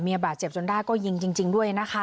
บาดเจ็บจนได้ก็ยิงจริงด้วยนะคะ